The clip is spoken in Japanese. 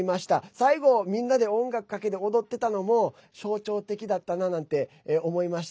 最後みんなで音楽をかけて、踊っていたのも象徴的だったななんて思いました。